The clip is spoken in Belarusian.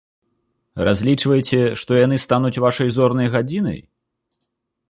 Разлічваеце, што яны стануць вашай зорнай гадзінай?